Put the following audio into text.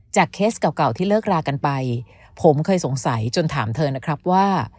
เคสเก่าที่เลิกรากันไปผมเคยสงสัยจนถามเธอนะครับว่า